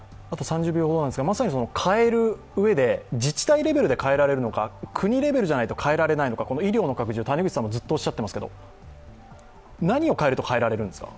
まさに変えるうえで、自治体レベルで変えられるのか国レベルじゃないと変えられないのか、医療の拡充ずっとおっしゃっていますが何を変えると変えられるんですか？